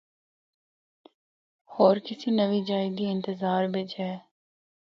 ہور کسی نوّی جائی دی انتظار بچ ہے۔